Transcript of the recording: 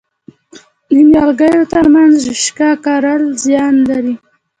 د نیالګیو ترمنځ رشقه کرل زیان لري؟